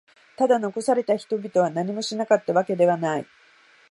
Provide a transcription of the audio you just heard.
ただ、残された人々は何もしなかったわけではない。